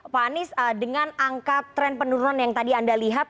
pak anies dengan angka tren penurunan yang tadi anda lihat